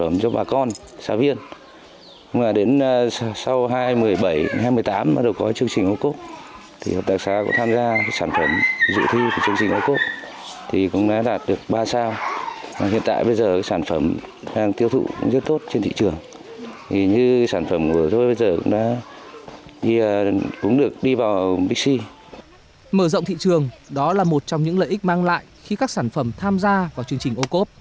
mở rộng thị trường đó là một trong những lợi ích mang lại khi các sản phẩm tham gia vào chương trình ô cốp